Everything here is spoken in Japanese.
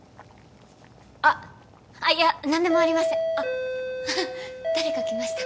あっあいや何でもありませんあっ誰か来ました